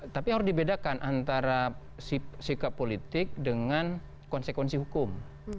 tapi harus dibedakan antara sikap politik dengan konsekuensi hukum